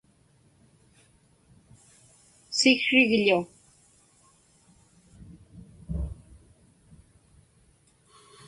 siksrigḷu